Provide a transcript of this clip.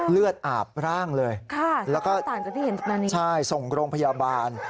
เลือดอาบร่างเลยแล้วก็ใช่ส่งโรงพยาบาล